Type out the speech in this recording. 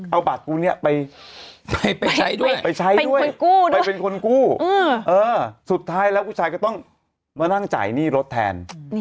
เอาบัตรกูเนี่ยไปใช้ด้วยไปใช้ด้วยไปเป็นคนกู้สุดท้ายแล้วผู้ชายก็ต้องมานั่งจ่ายหนี้รถแทน